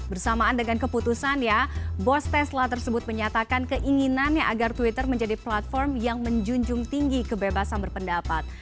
bersamaan dengan keputusan ya bos tesla tersebut menyatakan keinginannya agar twitter menjadi platform yang menjunjung tinggi kebebasan berpendapat